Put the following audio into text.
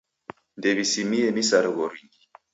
Ndew'isimie misarigho ringi.